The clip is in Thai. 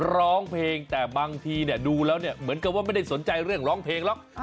ร้องเพลงแต่บางทีดูแล้วเนี่ยเหมือนกับว่าไม่ได้สนใจเรื่องร้องเพลงหรอก